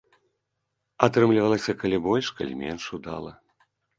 Атрымлівалася калі больш, калі менш удала.